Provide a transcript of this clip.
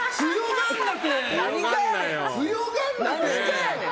何がやねん！